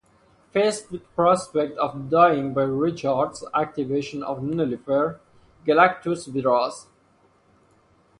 Faced with the prospect of dying by Richards' activation of the Nullifier, Galactus withdraws.